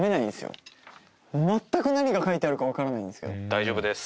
大丈夫です